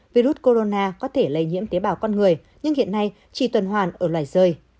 virus corona có thể lây nhiễm tế bào con người nhưng hiện nay chỉ tuần hoàn ở loài rơi